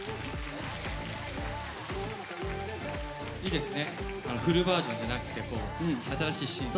いいですねフルバージョンじゃなくて新しい。